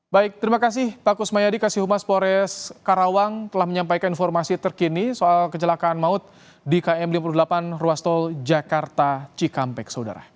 baik terima kasih pak kusmayadi kasih humas pores karawang telah menyampaikan informasi terkini soal kecelakaan maut di km lima puluh delapan ruas tol jakarta cikampek saudara